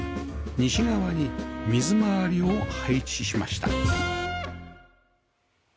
西側に水回りを配置しました